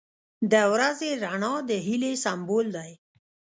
• د ورځې رڼا د هیلې سمبول دی.